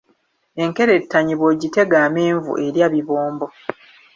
Enkerettanyi bw'ogitega amenvu erya bibombo.